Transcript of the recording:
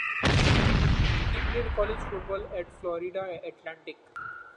He played college football at Florida Atlantic.